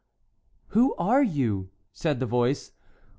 "Who are you?" said the voice.